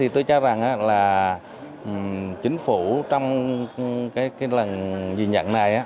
tôi chắc rằng là chính phủ trong cái lần nhìn nhận này